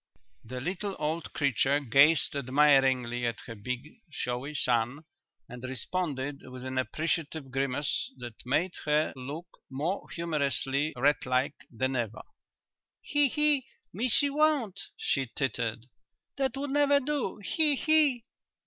The little old creature gazed admiringly at her big showy son and responded with an appreciative grimace that made her look more humorously rat like than ever. "He! he! Missie won't," she tittered. "That would never do. He! he!"